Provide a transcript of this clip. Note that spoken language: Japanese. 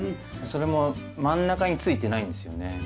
それも真ん中に付いてないんですよね。